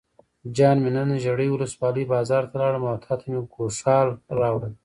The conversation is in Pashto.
جان مې نن ژرۍ ولسوالۍ بازار ته لاړم او تاته مې ګوښال راوړل.